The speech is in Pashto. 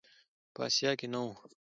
په آسیا کې نه و.